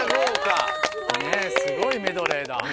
ねぇすごいメドレーだ。